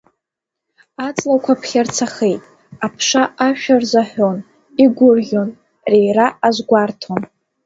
Аҵлақәа ԥхьарцахеит, аԥша ашәа рзаҳәон, игәырӷьон, рира азгәарҭон.